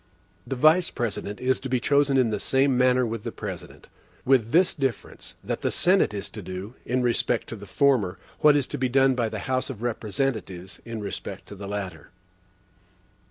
The Vice President is to be chosen in the same manner with the President; with this difference, that the Senate is to do, in respect to the former, what is to be done by the House of Representatives, in respect to the latter.